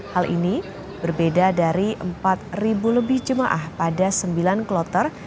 hal ini berbeda dari empat lebih jemaah pada sembilan kloter